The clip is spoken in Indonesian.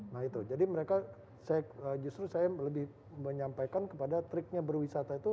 nah itu jadi mereka saya justru saya lebih menyampaikan kepada triknya berwisata itu